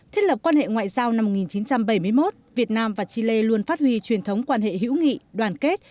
thiết lập quan hệ ngoại giao năm một nghìn chín trăm bảy mươi một việt nam và chile luôn phát huy truyền thống quan hệ hữu nghị đoàn kết